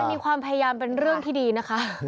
มีความพยายามเป็นเรื่องที่ดีนะคะ